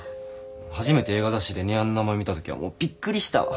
初めて映画雑誌で姉やんの名前見た時はもうびっくりしたわ。